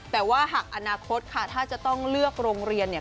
แต่ว่าหากอนาคตค่ะถ้าจะต้องเลือกโรงเรียนเนี่ย